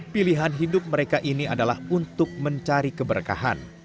pilihan hidup mereka ini adalah untuk mencari keberkahan